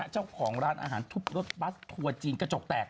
เจ้าของร้านอาหารทุบรถบัสทัวร์จีนกระจกแตก